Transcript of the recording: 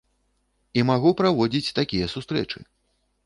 І магу праводзіць такія сустрэчы.